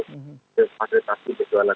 untuk asistasi berjualan